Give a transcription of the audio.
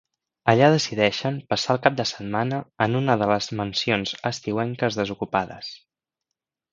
Allà decideixen passar el cap de setmana en una de les mansions estiuenques desocupades.